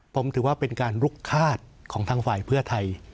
ผมถือว่าเป็นการลุกคาดของทางฝ่ายเพื่อไทย